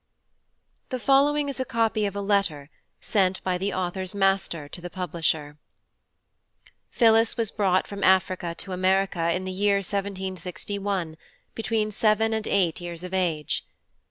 The following is a Copy of a LETTER sent by the Author's Master to the Publisher. PHILLIS was brought from Africa to America, in the Year 1761, between seven and eight Years of Age.